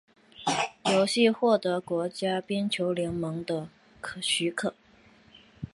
游戏获得国家冰球联盟的许可。